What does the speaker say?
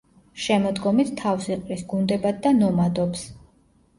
შემოდგომით თავს იყრის გუნდებად და ნომადობს.